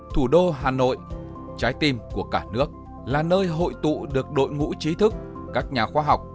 thủ đô hà nội trái tim của cả nước là nơi hội tụ được đội ngũ trí thức các nhà khoa học